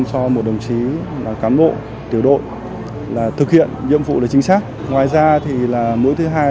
cho một đồng chí cán bộ tiểu đội là thực hiện nhiệm vụ đấy chính xác ngoài ra thì là mũi thứ hai